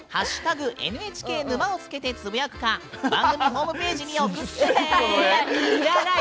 「＃ＮＨＫ沼」をつけてつぶやくか番組ホームページに送ってね！